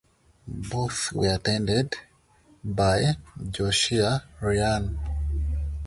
Both were attended by Josiah Ryan.